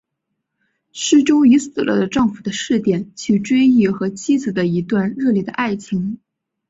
诗中以死了的丈夫的视点去追忆和妻子的一段热烈的爱情。